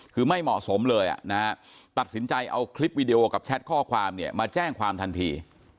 คือไม่เหมาะสมเลยตัดสินใจเอาคลิปวิดีโอกับแชทข้อความเนี่ยมาแจ้งความทันที